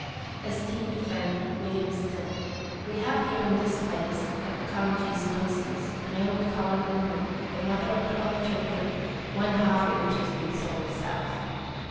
ESTEEMED FRIEND WILLIAM STILL: We have here in this place, at Comegys Munson's an old colored woman, the mother of twelve children, one half of which has been sold South.